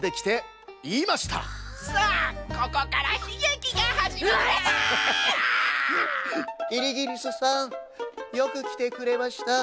「キリギリスさんよくきてくれました。